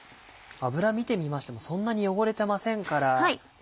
油見てみましてもそんなに汚れてませんから。